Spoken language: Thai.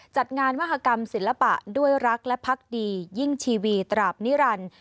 จัดงานมหากรรมศิลปะด้วยรักและพักดียิ่งทีวีตราบนิรันดิ์